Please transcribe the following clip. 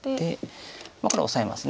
これオサえます。